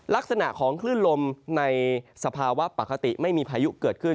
ลักษณะของคลื่นลมในสภาวะปกติไม่มีพายุเกิดขึ้น